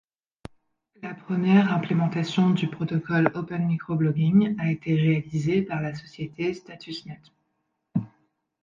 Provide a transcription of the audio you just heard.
La première implémentation du protocole OpenMicroBlogging a été réalisée par la société StatusNet.